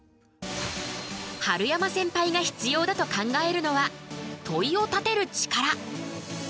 春山センパイが必要だと考えるのは「問いを立てる力」。